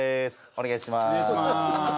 お願いします。